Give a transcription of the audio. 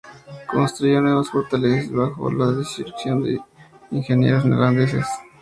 Construyó nuevas fortalezas, bajo la dirección de ingenieros neerlandeses.